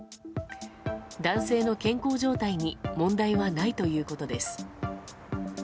男性の健康状態に問題はないということです。